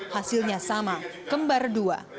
hasilnya sama kembar dua